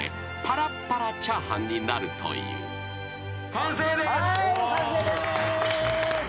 完成です。